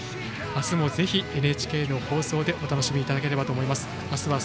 あすもぜひＮＨＫの放送でお楽しみいただければと思います。